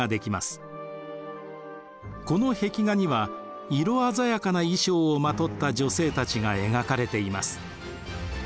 この壁画には色鮮やかな衣装をまとった女性たちが描かれています。